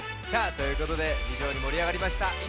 さあということでひじょうにもりあがりました。